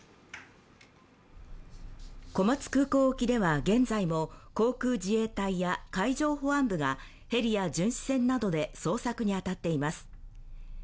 小松空港沖では現在も航空自衛隊や海上保安部がヘリや巡視船などで捜索に当たっています。